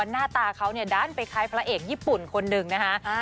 หน้าตาเขาเนี่ยด้านไปคล้ายพระเอกญี่ปุ่นคนหนึ่งนะคะ